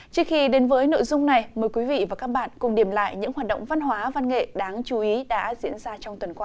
trước khi đến với nội dung này mời quý vị và các bạn cùng điểm lại những hoạt động văn hóa văn nghệ đáng chú ý đã diễn ra trong tuần qua